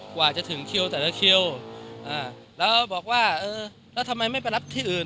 กว่าจะถึงคิวแต่ละคิวอ่าแล้วบอกว่าเออแล้วทำไมไม่ไปรับที่อื่น